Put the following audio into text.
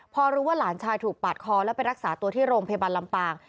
พอรู้ว่าหลานชายถูกปาดคอแล้วไปรักษาตัวที่โรงพยาบาลลำปาง